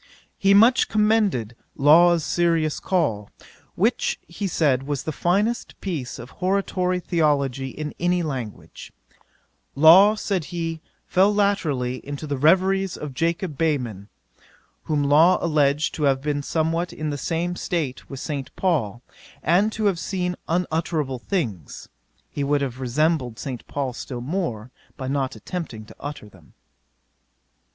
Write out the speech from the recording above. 'He much commended Law's Serious Call, which he said was the finest piece of hortatory theology in any language. "Law, (said he,) fell latterly into the reveries of Jacob Behmen, whom Law alledged to have been somewhat in the same state with St. Paul, and to have seen _unutterable things he would have resembled St. Paul still more, by not attempting to utter them."